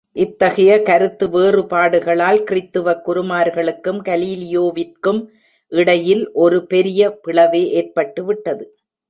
இத்தகைய கருத்து வேறுபாடுகளால் கிறித்துவக் குருமார்களுக்கும் கலீலியோவிற்கும் இடையில் ஒரு பெரிய பிளவே ஏற்பட்டு விட்டது.